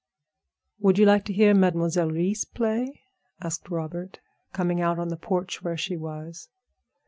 "Would you like to hear Mademoiselle Reisz play?" asked Robert, coming out on the porch where she was.